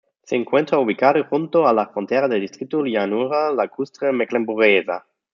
Se encuentra ubicado junto a la frontera del distrito Llanura Lacustre Mecklemburguesa.